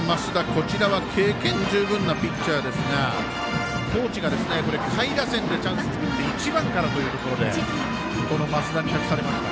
こちらは経験十分なピッチャーですが高知が下位打線でチャンスを作って１番からというところでこの増田に託されました。